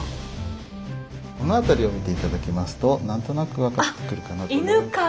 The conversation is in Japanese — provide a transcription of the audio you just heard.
この辺りを見ていただきますと何となく分かってくるかなと。